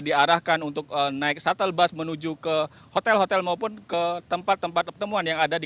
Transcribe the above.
diarahkan untuk naik shuttle bus menuju ke hotel hotel maupun ke tempat tempat pertemuan yang ada di